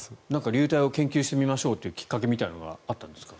流体を研究してみましょうというきっかけみたいなものがあったんですか？